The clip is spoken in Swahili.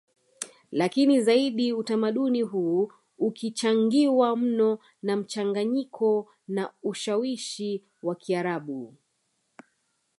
Lakini zaidi utamaduni huu ukichangiwa mno na mchanganyiko na ushawishi wa Kiarabu